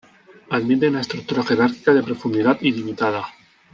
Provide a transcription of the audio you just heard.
Admite una estructura jerárquica de profundidad ilimitada.